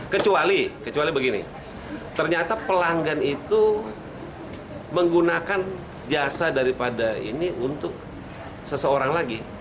kecuali kecuali begini ternyata pelanggan itu menggunakan jasa daripada ini untuk seseorang lagi